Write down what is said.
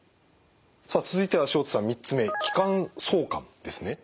さあ続いては塩田さん３つ目気管挿管ですね。